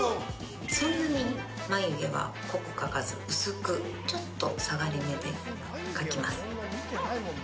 そんなに眉毛は濃く描かずに薄くちょっと下がりめで描きます。